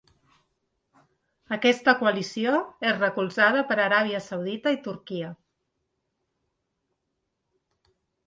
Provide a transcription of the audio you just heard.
Aquesta coalició és recolzada per Aràbia Saudita i Turquia.